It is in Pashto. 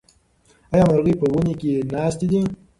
ایا مرغۍ په ونې کې ناستې دي؟